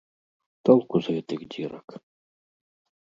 Толку з гэтых дзірак!